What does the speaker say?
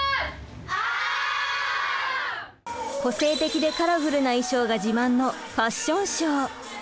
個性的でカラフルな衣装が自慢のファッションショー。